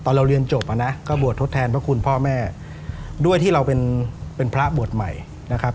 เราเรียนจบอ่ะนะก็บวชทดแทนพระคุณพ่อแม่ด้วยที่เราเป็นเป็นพระบวชใหม่นะครับ